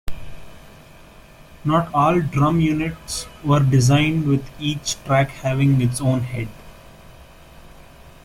Not all drum units were designed with each track having its own head.